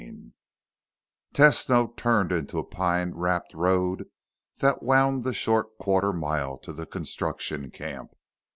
II Tesno turned into a pine wrapped road that wound the short quarter mile to the construction camp.